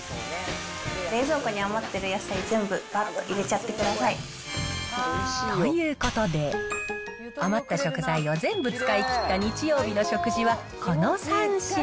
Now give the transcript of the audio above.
冷蔵庫に余ってる野菜全部ばっと入れちゃってください。ということで、余った食材を全部使いきった日曜日の食事はこの３品。